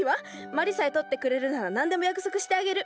まりさえ取ってくれるなら何でも約束してあげる！